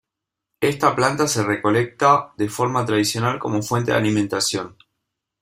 Esta planta se recolecta de forma tradicional como fuente de alimentación.